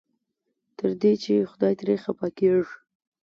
تر دې چې خدای ترې خفه کېږي.